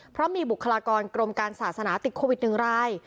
เพราะมีบุคลากรกรมการศาสนาติดโควิด๑ราย